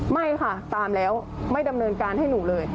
ไม่ค่ะตามแล้วไม่ดำเนินการให้หนูเลย